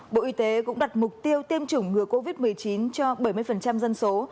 bộ y tế cũng đặt mục tiêu tiêm chủng ngừa covid một mươi chín cho bảy mươi dân số